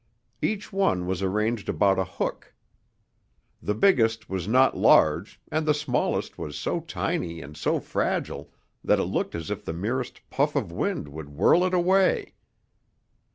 Each one was arranged about a hook. The biggest was not large and the smallest was so tiny and so fragile that it looked as if the merest puff of wind would whirl it away.